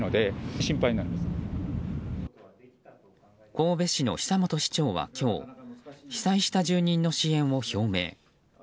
神戸市の久元市長は今日被災した住人の支援を表明。